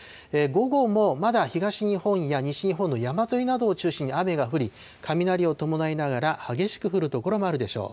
午後も、まだ東日本や西日本の山沿いなどを中心に雨が降り、雷を伴いながら激しく降る所もあるでしょう。